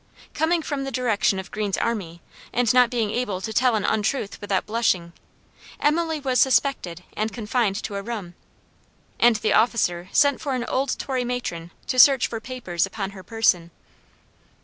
Coming from the direction of Greene's army and not being able to tell an untruth without blushing, Emily was suspected and confined to a room; and the officer sent for an old Tory matron to search for papers upon her person.